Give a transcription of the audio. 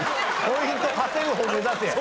ポイント稼ぐ方目指せや。